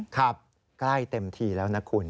ครับใกล้เต็มทีแล้วนะคุณ